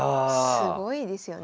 すごいですよね。